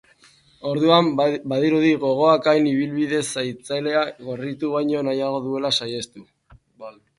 Orduan, badirudi gogoak hain ibilbide ziztatzailea korritu baino nahiago duela saihestu.